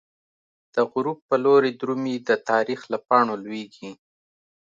دغروب په لوری درومی، د تاریخ له پاڼو لویږی